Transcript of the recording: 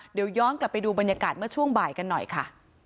เดี๋ยวย้อนกลับไปดูบรรยากาศเมื่อช่วงบ่ายกันหน่อยค่ะ